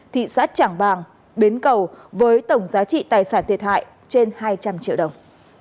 thị xã trảng bàng bến cầu với tổng giá trị tài sản thiệt hại trên hai trăm linh triệu đồng